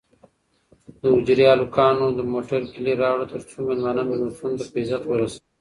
د حجرې هلکانو د موټر کیلي راوړه ترڅو مېلمانه مېلمستون ته په عزت ورسوي.